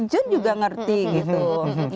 jun juga ngerti gitu